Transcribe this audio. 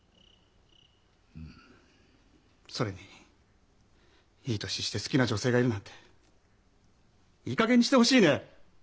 それにいい年して好きな女性がいるなんていいかげんにしてほしいね。